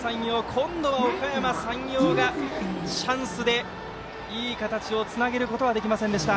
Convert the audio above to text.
今度はおかやま山陽がチャンスで、いい形をつなげることはできませんでした。